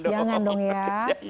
jangan dong ya